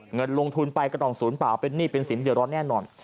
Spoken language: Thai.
เงินลงทุนไปก็ต้องศูนย์เปล่าเป็นหนี้เป็นสินเดือดร้อนแน่นอน